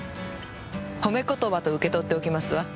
褒め言葉と受け取っておきますわ。